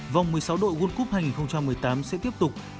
vòng một mươi sáu đội world cup hai nghìn một mươi tám sẽ tiếp tục